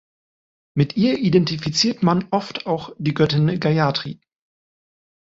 Mit ihr identifiziert man oft auch die Göttin Gayatri.